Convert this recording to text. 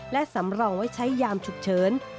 และสำรองไว้ใช้ยามฉุกเฉิน